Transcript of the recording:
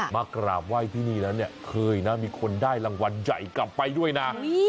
มากราบไหว้ที่นี่แล้วเนี่ยเคยนะมีคนได้รางวัลใหญ่กลับไปด้วยนะ